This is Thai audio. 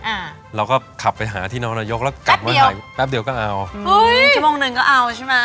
อ่าเราก็ขับไปหาที่น้องนายกแล้วกลับเมืองไทยแป๊บเดียวก็เอาอุ้ยชั่วโมงหนึ่งก็เอาใช่ไหม